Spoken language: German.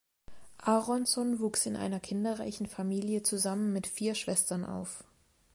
Aronson wuchs in einer kinderreichen Familie zusammen mit vier Schwestern auf.